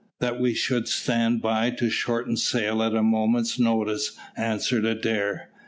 "That we should stand by to shorten sail at a moment's notice," answered Adair.